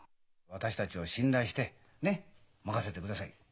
私たちを信頼してねっ任せてください。